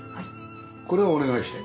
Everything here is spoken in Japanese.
これはお願いして？